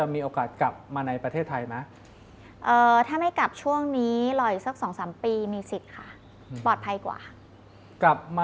ไม่ได้กลับมาติดคุกใช่ไหม